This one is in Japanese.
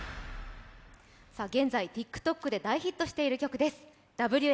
現在、ＴｉｋＴｏｋで大ヒットしている曲です。